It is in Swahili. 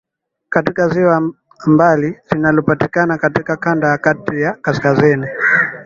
katika Ziwa Ambali linalopatikana katika Kanda ya Kati ya Kaskazini